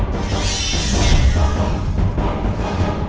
kenapa kami tidak tiga ratus tiga puluh tiga